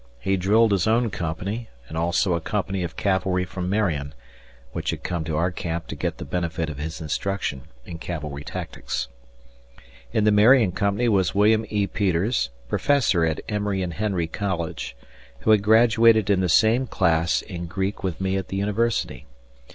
He drilled his own company and also a company of cavalry from Marion, which had come to our camp to get the benefit of his instruction in cavalry tactics. In the Marion company was William E. Peters, Professor at Emory and Henry College, who had graduated in the same class in Greek with me at the University.